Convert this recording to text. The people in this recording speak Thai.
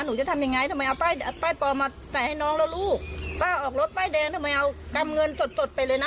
หนูจะทำยังไงทำไมเอาป้ายป้ายปลอมมาใส่ให้น้องแล้วลูกป้าออกรถป้ายแดงทำไมเอากำเงินสดสดไปเลยนะ